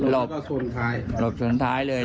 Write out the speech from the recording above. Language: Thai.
แล้วก็ส่วนท้าย